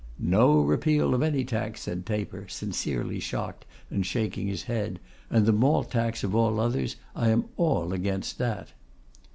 'No repeal of any tax,' said Taper, sincerely shocked, and shaking his head; 'and the Malt Tax of all others. I am all against that.